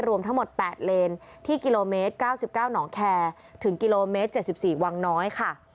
รวมทั้งหมด๘เลนที่กิโลเมตร๙๙หนองแคร์ถึงกิโลเมตร๗๔วังน้อยค่ะ